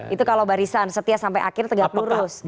itu kalau barisan setia sampai akhir tegak lurus